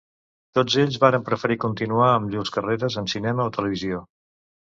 Tots ells varen preferir continuar amb llurs carreres en cinema o televisió.